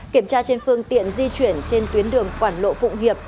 kiểm tra trên phương tiện di chuyển trên tuyến đường quảng lộ phụng hiệp